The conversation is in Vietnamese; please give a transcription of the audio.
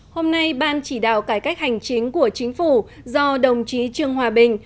hôm nay ban chỉ đạo cải cách hành chính của chính phủ do đồng chí trương hòa bình